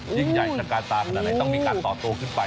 ยิ่งใหญ่จากการตาก็มีการต่อตัวขึ้นไป